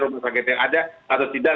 rumah sakit yang ada atau tidak